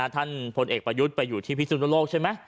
พลเอกประยุทธ์ไปอยู่ที่พิสุนโลกใช่ไหม